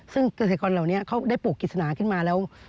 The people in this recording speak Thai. ซึ่งเกษตรกรเหล่านี้เขาได้ปลูกกิจสนาขึ้นมาแล้ว